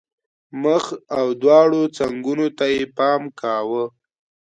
مخ او دواړو څنګونو ته یې پام کاوه.